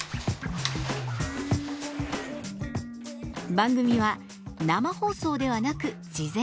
番組は生放送ではなく事前収録。